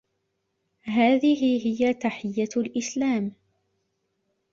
هذه هي تحيّة الإسلام.